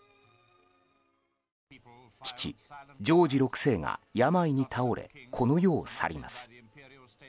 父、ジョージ６世が病に倒れこの世を去ります。